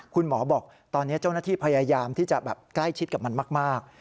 คุณหมอบอกตอนนี้เจ้าหน้าที่พยายามที่จะแบบใกล้ชิดกับมันมาก